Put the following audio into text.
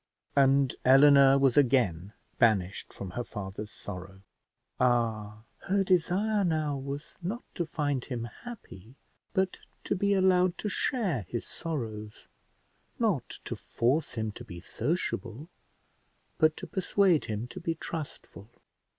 And Eleanor was again banished from her father's sorrow. Ah! her desire now was not to find him happy, but to be allowed to share his sorrows; not to force him to be sociable, but to persuade him to be trustful.